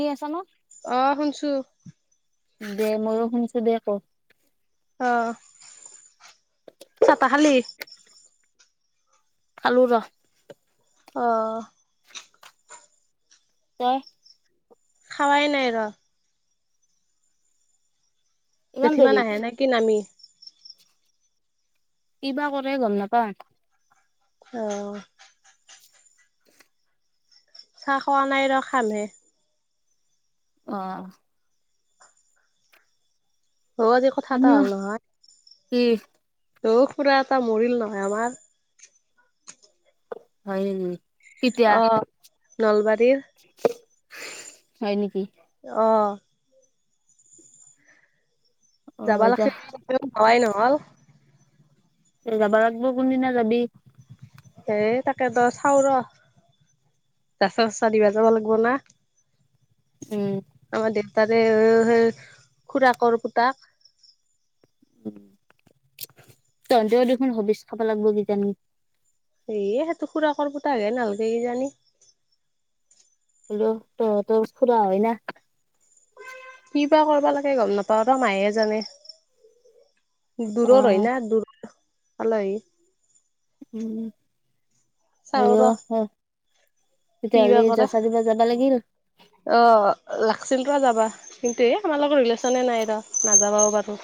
শুনি আছা ন? আহ শুনছো দে ময়ো শুনিছো দে ক অ চা তা খালি খালো ৰ অঁ আহ [unintelligible] খাৱাই নাই ৰ ইমান জেঠী মা দেৰি নাহে নে কি নামি‌? কিবা কৰে গম নাপাম, অ চাহ খোৱা নাই ৰ খামহে আহ অ আজি কথা এটা আমিও হ'ল নহয় কি দুৰৰ খুড়া এটা মৰিল নহয় আমাৰ হয় নেকি? কেতিয়া আহ নলবাৰীৰ। হয় নিকি। অ অ যাবা এতিয়া লাগিছিল যাৱাই নহল এই যাৱ লাগব কোন দিনা যাবি। এ তাকে ত চাউ ৰচ নাস্থা চাস্থা দিব যাব লাগিব না। উম আমাৰ দেউতাৰে সেই খুৰাককৰ পুতাক উ তন্তও দেখোন হবিচ খাব লাগিব কিজানি। স সেইটো টুকোৰা কৰ পুতাকে নহালকে কি জানি হলো ত ত খুৰা হয় ন। কি বা কৰিবা লাগে গম নাপাও ৰ মাইহে জানে অ দূৰৰ হয় ন দূৰ। আলহী উম চাও হলেও ৰ কিবা তেতিয়াহ'লে কৰে জচা দিবা যাবা লাগিল আহ- থছিলটো যাবা কিন্তু এই আমাৰ লগৰ ৰিলেশ্যনে নাই ৰ নাযাবাও পাৰোঁ।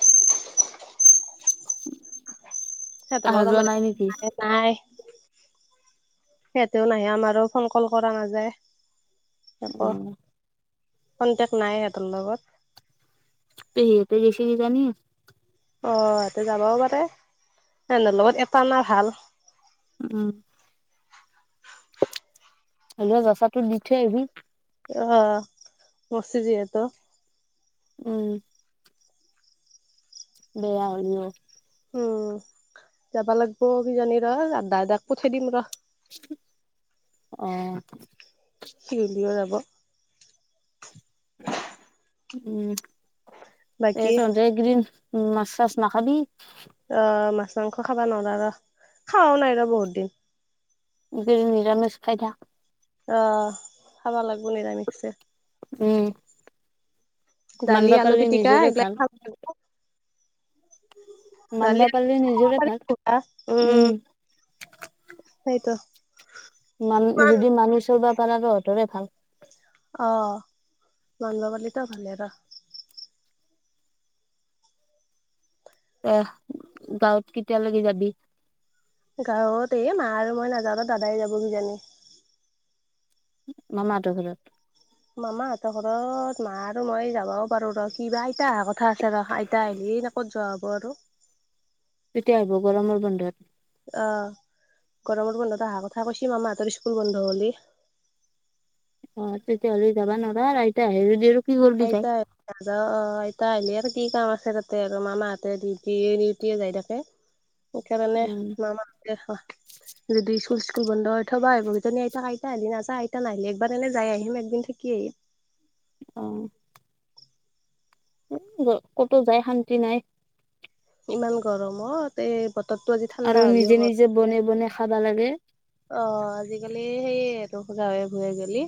[unintelligible] সিহঁতৰ অহা লগত যোৱা আমাৰ নাই নেকি ন নাই। সিহতেও নাহে আমাৰো ফোন কল কৰা নাযায়। আহ কনটেক্ট নাই হেতৰ লগত। পেহী হেটি গেইছে কিজানি। অ সহতে যাবও পাৰে এ লগত এটা না ভাল। উম হ ৰচাটো দি থৈ আহিবি অ মৰচি যিহেতু। উম বেয়া হলেও উম যাবা লাগিব কিজানি ৰ দাদাক পঠাই দিম ৰ। আহ ফিলিয়াৰ যাব [unintelligible] উম এ বাকী তহঁতে এইকেইদিন [unintelligible] উম মাছ চাছ নাখাবি। অ মাছ মাছ মাংস খাবা নোৱাৰা ৰ খোৱাও নাই ৰ বহুত দিন। এইকেইদিন নিৰামিষ খাই থাক অহ খাবা লাগিব নিৰামিখছে উম দালি মানবা আলু পাৰিলে পিটিকা নিজৰে এইগিলাক ভাল খাব লাগিব দালি মন্দা আলু পাৰিলে নিজৰে পাৰি ভাল উম সেতো মান যদি মানি চলবা পাৰা ন হঁতৰে ভাল। অ মানব পাৰিলেতো ভালেই ৰ। আহ গাঁৱত কেতিয়ালৈকে যাবি! গাঁৱত এই মা আৰু মই নাযাওঁ দাদাই যাব কিজানি। মামাহতৰ ৰ ঘৰত। মামাহঁতৰ ঘৰত মা আৰু মই যাবও পাৰো ৰ ক বা আইতা অহা কথা আছে ৰ আইতা আহিলি ক'ত যোৱা হ'ব আৰু। তেতিয়া হব গৰমৰ বন্ধত। অহ গৰমৰ বন্ধত অহা কথা কৈছি মামাহতৰ স্কুল বন্ধ হ'ল। অ তেতিয়াহ'লে যাবা নোৱাৰা আইতা আহে যদি কি কৰবি যাই আইতা অ আইতা আহলে আৰু কি কাম আছে তাতে আৰু মামাহঁতে ডিউটি ডিউটিয়ে যাই থাকে সেইকাৰণে উম মামাহতে যদি চ স্কুল বন্ধৰ অথবা আহিবকেইজনী আইতাক আইতা আহিলি নায় আইত নাহলি একবাৰ নলে যাই আহিম একদিন থাকি আহিম। অ ক'তো যায় শান্তি নাই। ইমান গৰমত অ এ বততো আজি আৰু ঠাণ্ডা হ'লেও নিজে ব নিজে বনে বনে খাবা লাগে অ আজিকালি সেই গাৱে ভুয়ে গেলি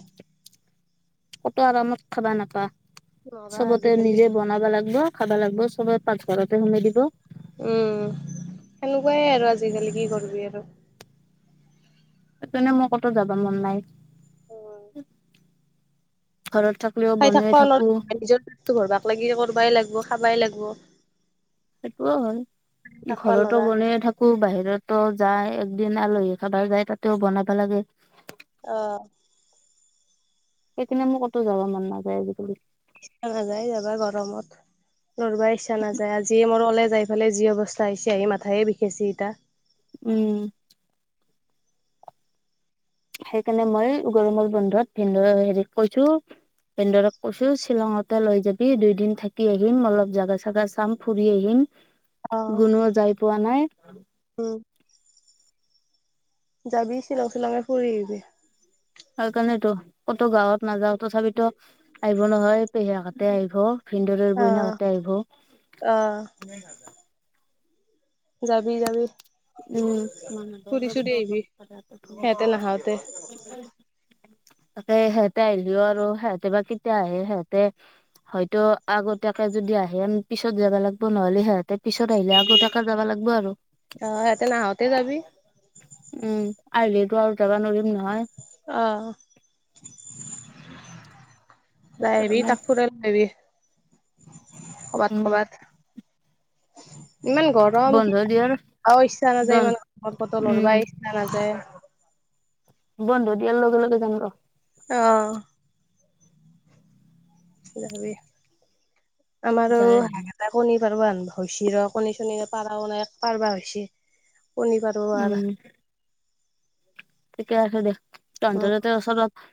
ক'তো আৰামত খাবা নাপোৱা। নৰা চবতে আজিকালি নিজে বনাবা লাগব। খাবা লাগব চবে পাঁক ঘৰতে সোমাই দিব। উম সেনেকোৱাই আৰু আজিকালি কি কৰিবি আৰু। সেই তেনে মোৰ কতো যাব মন নাই। উম ঘৰত থাকিলেও খাই বনাই থাক থাকো লৰা নিজৰতটো ঘৰবাক লাগি কৰিবই লাগব। তো খাবাই লাগব সেইটোও হয় থাকবা ঘৰতো নৰা বনে থাকো বাহিৰতো যায়। দিনা আলহী খাবাৰ যায় তাতেও বনাব লাগে। অহ সেইকাৰনে মোৰ কতো যাব মন নাযায় আজিকালি। নাযায় যাবা গৰমত। নব ইচ্ছা নাযায় আজিয়ে মোৰ কলেজ যাইফালে যি অৱস্থা আহিছে আহি মাথায়ে বিষেছে ইতিয়া উম সেইকাৰণে মই গৰমৰ বন্ধত ভিনদেউ হেৰিক কৈছো ভিনদেউক কৈছোঁ শ্বিলঙতে লৈ যাবি দুইদিন থাকি আহিম অলপ জাগা চাগা চাম ফুৰি আহিম অ গুণোও যাই পোৱা নাই উম যাবি শ্বিলং শ্বিলঙতে ফুৰি আহিবি সেইকাৰণে টো কতো গাঁৱত নাযাও, তথাপিতো আহিব নহয় পেহীয়েক হঁতে আহিব ভিন্দৰৰ বৈনাইহতে আহ আহিব। যাবি যাবি। উমঁ। ফুৰি চুৰি আহিবি সিহঁতে নাহাওতে। তাকে সিহঁতে আহিলেও আৰু সিহঁতে বা কেতিয়া আহে, সিহঁতে হয়তো আগতীয়াকে যদি আহে আমি পিছত যাবা লাগিব নহ'লে সিহঁতে পিছত আহিলে আগতীয়াকে যাব লাগিব আৰু। অঁ সিহঁতে নাহোতে যাবি? উমঁ আহিলেতো আৰু যাবা নোৱাৰিম নহয়। অঁ। যায় সেইকাৰণে তাক ফুৰাই লৈ আহিবি। কবাত উম কবাত। [inaudible] ইমান গৰম বন্ধ দিয়াৰ [unintelligible] ইচ্ছা নাযায় বন ইমান গৰমৰ উম [unintelligible] ইচ্ছা নাযায়। বন্ধ দিয়া লগে লগে যাম ৰ। অহঁ। যাবি। আমাৰো যাই আহিম [inaudible] পাৰবা হেন হৈছি ৰ'। কণী-চণী পাৰাও নাই, পাৰবা হৈছি। পঢ়িবত লোৱাৰ উম ঠিকে আছে দে। উম তহন্তৰ তাতে ওচৰত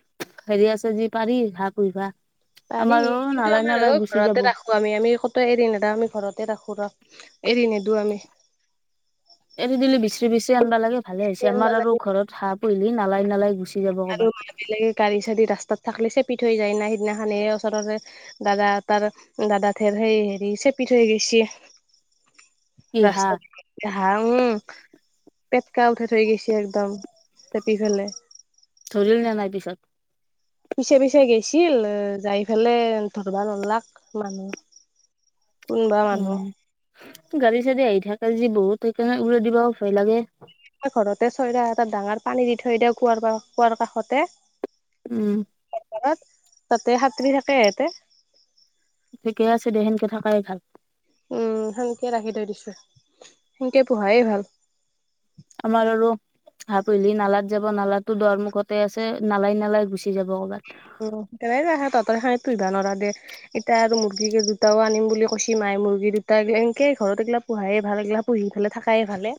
ফেৰি আছে যদি পাৰি বা কো ভা। পাৰি। কিন্তু আমাৰ [unintelligible] যাব। ঘৰতে ৰাখোঁ আমি। আমি ক'তো এৰি নেদাও। আমি ঘৰতে ৰাখোঁ ৰ'। এৰি নেদো আমি। জুনিছ তিয়া আনবা লাগে, ভালে হৈছে। চিয়ান আমাৰ আৰু বালাজী ঘৰত হা পলি নালাই নালাই গুচি যাব আৰু ক'বাত। লাগিলে গাড়ী-চাৰি ৰাস্তাত থাকলি চেপি থৈ যায় না, সিদিনাখনে ওচৰৰে দাদা- তাৰ দাদা ঠেৰ সেই হেৰি চেপি থৈ গৈছি। কি হাঁহ ৰাস্তা [inaudible] হা উম। পেটকা উঠাই থৈ গৈছে একদম, চেপি ফেলে। ধৰিল নে নাই পিছত? পিছে পিছে গৈছিল যাই ফেলে ধৰবা নলাক মানুহ। কোনোবা মানুহ। উম। গাড়ী চাড়ী আহি থাকেজি বহুত সেইকাৰণে উৰা দিবা ভয় লাগে। ঘৰতে চয়দ এটা ডাঙৰ পানী দি থৈ দিয় কুঁ কুঁৱাৰ কাষতে। উ'ম। ঘৰত তাতে হাতুৰী থাকে হেতে। ঠিকে আছে দে সেনকে থকাই ভাল। উম সেনকে ৰাখি থৈ দিছো সেনকে পঢ়ায় ভাল। আমাৰ আৰু হাঁহ পুহিলি নালাত যাব নালা দৰমুখতে আছে নালাই নালাই গুচি যাব কৰ'ৰবাত। উম সেইে তহতৰ খাঁতো সিবা নৰা দে এতিয়া আৰু মুৰ্গী দুটাও আনিম বুলি কৈছি মায় মুৰ্গী দুটাা এনকে ঘৰত এইগিলা পোহাইে ভাল এইগিলা পুহি ফালে থাকাইে ভালে।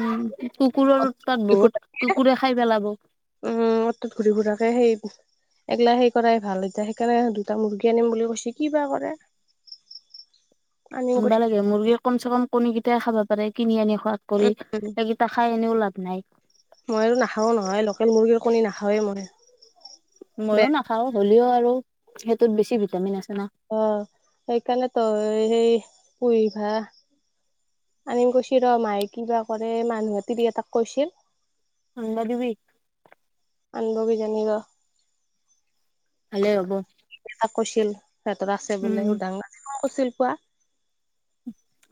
উম কুকুৰৰ তাত বহুত কুকুৰে খাই পেলাব। উম অ্তত ঘূৰি ফুৰাৰাকে সেই এগিলা সেই কৰাই ভাল এতিয়া সেইকাৰণে দুটা মুৰ্গী আনিম বুলি কৈছ কি বা কৰে। আনিম আনিব কৈছি। লাগে মুৰগি। কমচে কম কণী কেইটাই খাব পাৰে কিনি আনি। খোৱাত কৰি উ সেইকেইটা খাই এনেও লাভ নাই মই নাখাও নহয় লোকেল মুৰ্গীৰ। কনি নাখাওঁৱেই মই। মইয়ো বেয়া নাখাওঁ। হ'লেও আৰু সেইটোত বেছি ভিটামিন আছে। না। অঁ, সেইকাৰণে তো সেই। পুৰি ভা। আনিম কৈছ ৰ মায়ে কিবা কৰে মানুহে তিৰি এটাক কৈছিল। নন্দ দিবি। আনব কিজানী ৰ। আলে অব। কৈইছিল। পিহঁত আছে বোলে সুদাং। চছিল পোৱা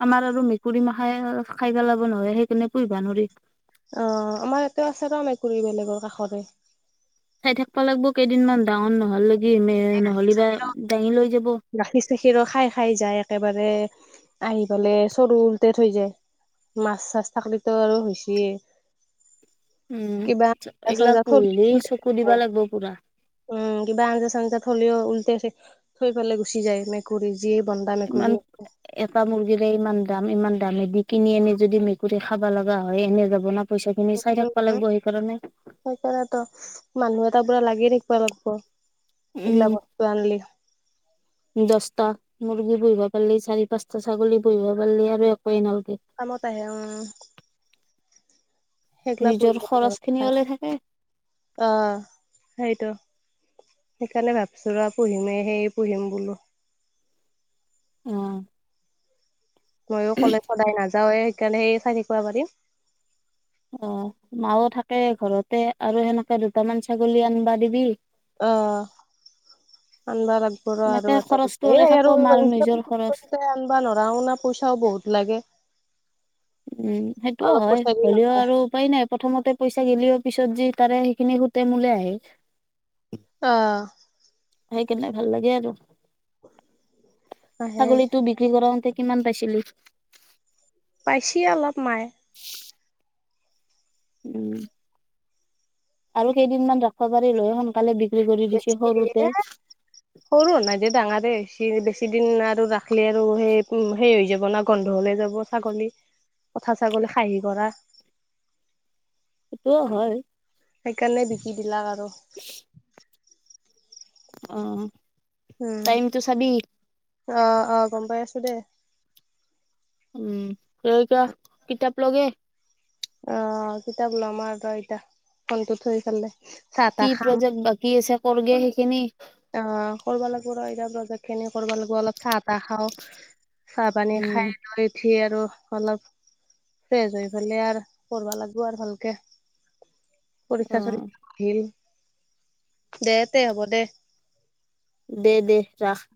আমাৰ আৰু মেকুৰী মাখাই খাই পেলাব নহয় সেইকাৰণে পুহিবা নোৱাৰ। অঁ, আমাৰ ইয়াতেও আছে ত মেকুৰী বেলেগৰ কাষৰে। চাই থাকবা লাগিব কেইদিনমান ডাঙৰ নহল লকে। গাখীৰ চাখ যাব গাখীৰ চাখীৰো খাই খাই যায় একেবাৰে। আহি পালে চৰু ওলতে থৈ যায় মাছ চাছ থাকিলো আৰু হৈচিয়ে। উম এইগিলা পুহিলি চকু দিবা লাগব পুৰা। উম কিবা আঞ্জা চাঞ্জা থলেও উলট থৈ পেলাই গুচি যায় মেকুৰী। যিয়ে বন্দা মেকুৰী ইমান এটা মুৰ্গীৰে ইমান দাম ইমান। দামেদি কিনি আনি যদি মেকুৰী খাব লগা হয় এনে যাব ন। পইচা খিনি চাই থাকিব লাগিব সেইকাৰণে। তাৰ পুৰা লাগি থাকিবা লাগিব। উম দশটা। মুৰ্গী বহিব পাৰলি চাৰি-পাঁচটা ছাগলী বহিব পাৰলি আৰু এক এ নহ কামত আহে অ অ। সেইগিলা নিজৰ পৰিব উ উ খৰচ খিনি হে ওলাই থাকে অ সেইটো সেইকাৰণে ভাবছো ৰ পুহিমেই সেইয় পুহিম বোলো। উম। ময়ো কলে সদায় নাযাওৱে। সেইকাৰণে সেই চাই থাকিব পাৰিম। অ মাও থাকে ঘৰতে আৰু সেনেকে দুটামান ছাগলী আনিবা দিবি। অ অ আন আন। সৰু আৰু সেনেকে এটা খৰচটো সেই ওলাই থাকব আৰু মাৰ নিজৰ খৰচ আনবা নোৱাৰা শনা পইচাও বহুত লাগে। উম, সেইটোও অলপ হয় পইচা দি হ'লেও নহয় আৰু উপায় নাই প্ৰথমতে পইচা গিলিও পিছত যি তাৰে সেইখিনি গোটে মোলে আহিল। অ আহি কিনে ভাল লাগে আৰু আহে ছাগলীটো বিক্ৰী কৰাওঁতে কিমান পাইছিলি? পাইছি অলপ। মায়ে উম আৰু কেইদিনমান ৰাখবা পাৰি লৈ সোনকালে বিক কুচ কৰেগা, সৰু আৰু নাইদে ডাঙাৰে হৈছি। হেৰি বেছি দিন না আৰু ৰাখ খিলে আৰু ও সেই উম সে হৈ যাব। বনা গন্ধ হ'লে যাব ছাগলী পঠা ছাগলী খাসী কৰা। সিটোও হয়। সেইকাৰণে বিকি দিলা কাক? অ চি চি চি [inaudible] অ অ। উম আহ আহ গম পাই আছো দেই উম, তয় এতিয়া কিতাপ ল গে। অ অ অ, কিতাপ ল'ম আৰু ৰ এতিয়া ফনটো থৈ এফালে। কি প্ৰজেক্ট বাকি আছে? কৰগে সেইখিনি অ কৰিবা লাগব ৰ এতিয়া প্ৰজেক্টখিনি কৰিবা লাগিব অলপ চাহ-তাহ খাওঁ চাহ-পানী উম খাই লৈ ইত উঠি আৰু অলপ ফ্ৰেচ হৈ পেলাই আৰ কৰবা লাগব আৰু ভালকে। অ পৰীক্ষা চলি আছিল। দে, তে'হ'ব দে। দে, দে ৰাহ।